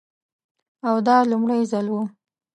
او دا لومړی ځل و.